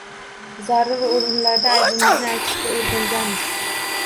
Zarur o‘rinlarda aybimizni aytishga o‘rganganmiz.